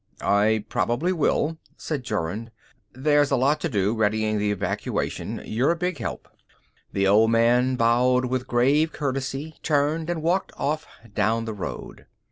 "I probably will," said Jorun. "There's a lot to do, readying the evacuation, and you're a big help." The old man bowed with grave courtesy, turned, and walked off down the road.